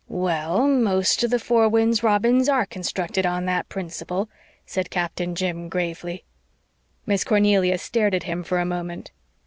"Well, most of the Four Winds robins ARE constructed on that principle," said Captain Jim gravely. Miss Cornelia stared at him for a moment.